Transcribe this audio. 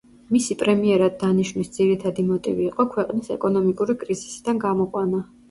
მისი პრემიერად დანიშვნის ძირითადი მოტივი იყო ქვეყნის ეკონომიკური კრიზისიდან გამოყვანა.